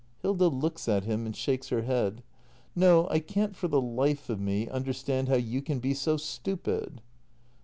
Hilda. [Looks at him and shakes her head.] No, I can't for the life of me understand how you can be so stupid.